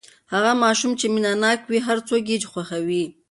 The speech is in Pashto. هغه ماشوم چې مینه ناک وي، هر څوک یې خوښوي.